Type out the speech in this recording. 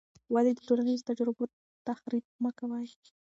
ولې د ټولنیزو تجربو تحریف مه کوې؟